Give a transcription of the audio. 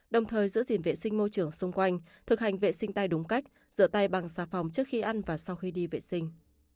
đồng thời giữ gìn vệ sinh môi trường xung quanh thực hành vệ sinh tay đúng cách rửa tay bằng xà phòng trước khi ăn và sau khi đi vệ sinh